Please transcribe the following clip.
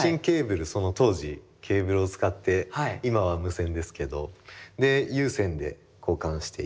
その当時ケーブルを使って今は無線ですけどで有線で交換している。